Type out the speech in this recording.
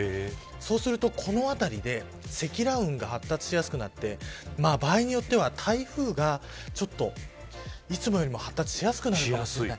そうするとこの辺りで積乱雲が発達しやすくなって場合によっては台風がいつもよりも発達しやすくなる。